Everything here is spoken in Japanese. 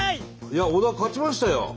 いや小田勝ちましたよ。